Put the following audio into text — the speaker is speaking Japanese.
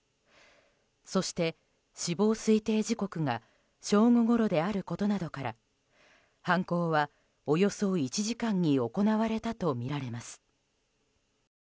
そして、死亡推定時刻が正午ごろであることなどから犯行はおよそ１時間に行われたとみられます。